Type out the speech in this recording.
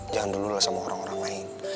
jangan dulu lah sama orang orang lain